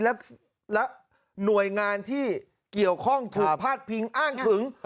และหน่วยงานที่เกี่ยวข้องถูกพาดพิงอ้างถึง